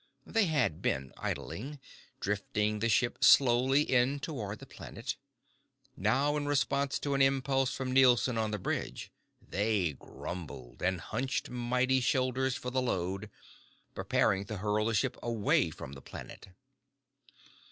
They had been idling, drifting the ship slowly in toward the planet. Now, in response to an impulse from Nielson on the bridge, they grumbled, and hunching mighty shoulders for the load, prepared to hurl the ship away from the planet.